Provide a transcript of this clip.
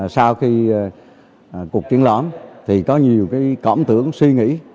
sau khi cuộc triển lãm thì có nhiều cái cổng tưởng suy nghĩ